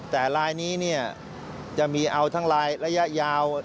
แต่ลายนี้เนี่ยจะมีเอาทั้งรายระยะยาว